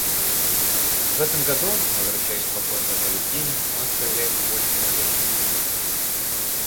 В этом году, возвращаясь к вопросу о Палестине, у нас появляется больше надежд.